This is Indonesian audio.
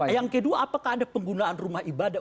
yang kedua apakah ada penggunaan rumah ibadah